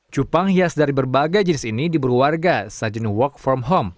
cupang hias dari berbagai jenis ini di berwarga sejenis work from home